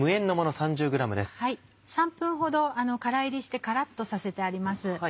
３分ほどからいりしてカラっとさせてあります。